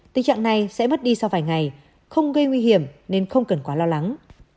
tình trạng này sẽ mất đi sau vài ngày không gây nguy hiểm nên không cần quá lo lắng